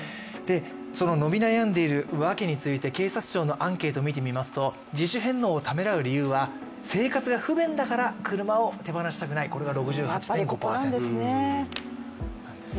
伸び悩んでいるわけについて警察庁のアンケートを見てみますと自主返納をためらう理由は、生活が不便だから車を手放したくない、これが６８．５％なんですね。